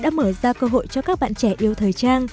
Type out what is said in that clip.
đã mở ra cơ hội cho các bạn trẻ yêu thời trang